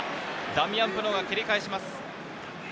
ダミアン・プノーが蹴り返します。